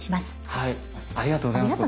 はいありがとうございますこちらこそ。